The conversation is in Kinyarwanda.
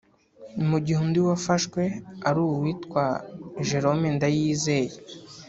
mu gihe undi wafashwe ari uwitwa Jerome Ndayizeye